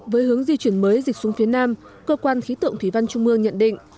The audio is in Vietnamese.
với hướng di chuyển mới dịch xuống phía nam cơ quan khí tượng thủy văn trung mương nhận định